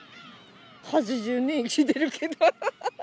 ８０年生きてるけど。